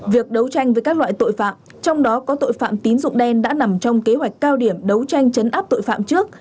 việc đấu tranh với các loại tội phạm trong đó có tội phạm tín dụng đen đã nằm trong kế hoạch cao điểm đấu tranh chấn áp tội phạm trước